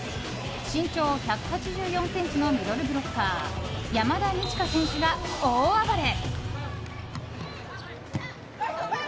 身長１８４ｃｍのミドルブロッカー山田二千華選手が大暴れ！